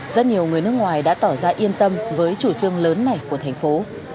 rất nhiều người nước ngoài đã tỏ ra yên tâm với chủ trương lớn này của thành phố